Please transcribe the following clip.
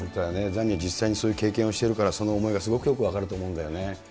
ザニー、実際にそういう経験をしているからその思いがすごくよく分かると思うんだよね。